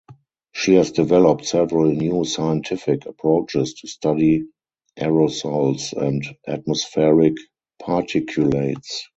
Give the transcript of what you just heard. She has developed several new scientific approaches to study aerosols and atmospheric particulates.